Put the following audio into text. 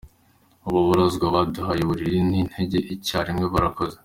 Ubu abarwaza baduhaye uburiri n’intebe icyarimwe, barakoze.